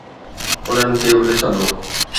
انهن کي به ڏسندو.